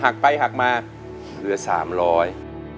หักไปหักมาเหลือสามร้อย